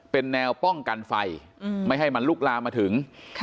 เป็นแนวป้องกันไฟไม่ให้มันลุกลามมาถึง